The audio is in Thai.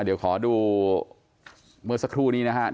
เดี๋ยวขอดูอีกเมื่อสักครู่นี้นะก่อน